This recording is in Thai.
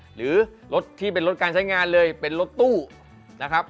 หรือรถที่เป็นรถการใช้งานเลยเป็นรถตู้นะครับ